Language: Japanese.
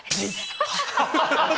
アハハハハ！